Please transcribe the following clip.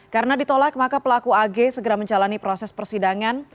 karena ditolak maka pelaku ag segera menjalani proses persidangan